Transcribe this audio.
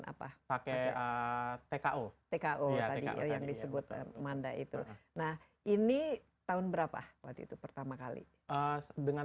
apa pakai tko tko tadi yang disebut manda itu nah ini tahun berapa waktu itu pertama kali dengan